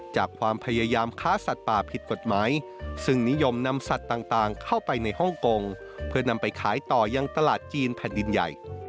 จากความพยายามค้าสัตว์ป่าผิดกฎหมายซึ่งนิยมนำสัตว์ต่างเข้าไปในฮ่องกงเพื่อนำไปขายต่อยังตลาดจีนแผ่นดินใหญ่